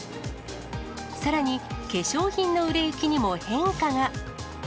さらに化粧品の売れ行きにも変化が。